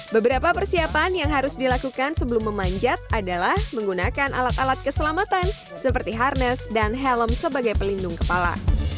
beberapa persiapan yang harus dilakukan sebelum memanjat adalah menggunakan alat alat keselamatan seperti harness dan helm sebagai pelindung kepala